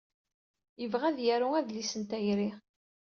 Yebɣa ad yaru adlis n tayri.